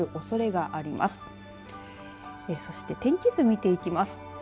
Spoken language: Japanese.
そして、天気図見ていきます。